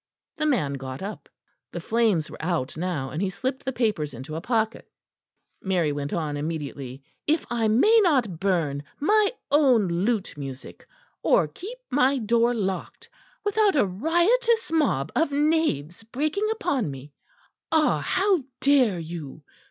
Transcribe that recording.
The man got up; the flames were out now, and he slipped the papers into a pocket. Mary went on immediately. "If I may not burn my own lute music, or keep my door locked, without a riotous mob of knaves breaking upon me Ah! how dare you?"